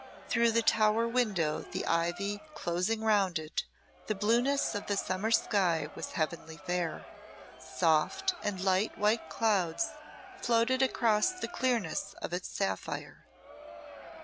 Through the tower window and the ivy closing round it, the blueness of the summer sky was heavenly fair; soft, and light white clouds floated across the clearness of its sapphire.